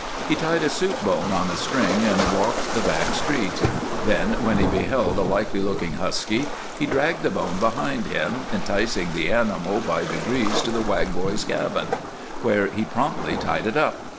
He tied a soup bone on a string and walked the back streets; then, when he beheld a likely looking husky, he dragged the bone behind him, enticing the animal by degrees to the Wag boys' cabin, where he promptly tied it up.